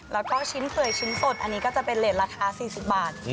แล้วก็ชิ้นเปื่อยชิ้นสดอันนี้ก็จะเป็นเหรสราคา๔๐บาท